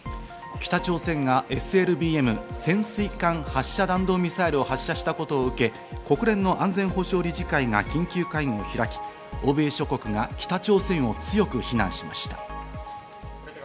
北朝鮮がＳＬＢＭ＝潜水艦発射弾道ミサイルを発射したことを受け、国連の安全保障理事会は緊急会合を開き、欧米諸国は北朝鮮を強く非難しました。